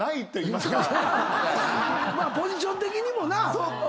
まあポジション的にもな。